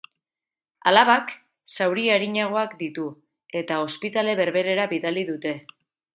Alabak zauri arinagoak ditu, eta ospitale berberera bidali dute.